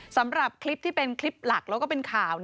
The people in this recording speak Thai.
สำหรับคลิปที่เป็นคลิปหลักแล้วก็เป็นข่าว